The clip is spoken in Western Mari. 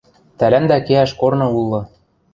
Тӓлӓндӓ кеӓш корны улы...